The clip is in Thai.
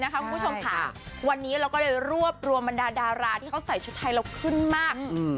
ค่ะวันนี้เราก็ได้รวบรวมบันดาลดาราที่เขาใส่ชุดไทยเราขึ้นมากอืม